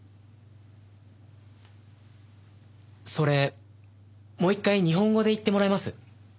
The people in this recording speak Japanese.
それもう１回日本語で言ってもらえます？